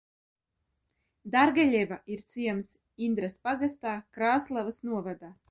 Dargeļeva ir ciems Indras pagastā, Krāslavas novadā.